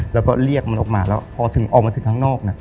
แล้วก็เรียกมันออกมาแล้วพอถึงออกมาถึงข้างนอก